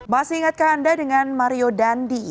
masih ingatkah anda dengan mario dandi